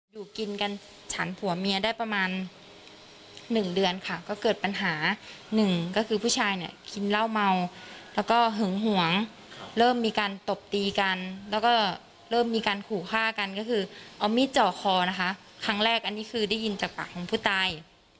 อยู่กินกันฉันผัวเมียได้ประมาณหนึ่งเดือนค่ะก็เกิดปัญหาหนึ่งก็คือผู้ชายเนี่ยกินเหล้าเมาแล้วก็หึงหวงเริ่มมีการตบตีกันแล้วก็เริ่มมีการขู่ฆ่ากันก็คือเอามีดเจาะคอนะคะครั้งแรกอันนี้คือได้ยินจากปากของผู้ตาย